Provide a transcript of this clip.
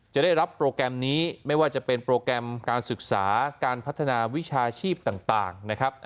จะได้รับโปรแกรมนี้ไม่ว่าจะเป็นโปรแกรมการศึกษาการพัฒนาวิชาชีพต่างนะครับ